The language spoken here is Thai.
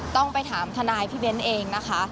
ต้องไปถามทนายพี่เบ้นเองนะคะ